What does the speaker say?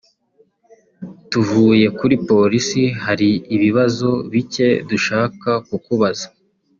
tuvuye kuri Polisi hari ibibazo bike dushaka kukubaza